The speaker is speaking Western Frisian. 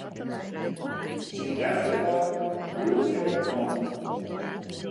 Syn efterban droech him op hannen.